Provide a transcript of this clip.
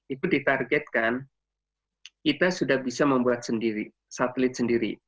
itu ditargetkan kita sudah bisa membuat sendiri satelit sendiri